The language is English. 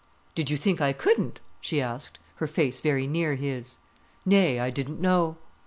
"Did you think I couldn't?" she asked, her face very near his. "Nay, I didn't know."